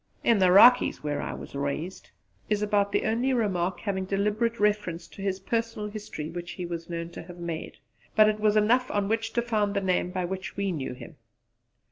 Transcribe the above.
"In the Rockies whar I was raised" is about the only remark having deliberate reference to his personal history which he was known to have made; but it was enough on which to found the name by which we knew him.